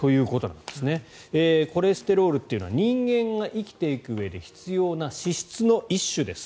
コレステロールというのが人間が生きていくうえで必要な脂質の一種です。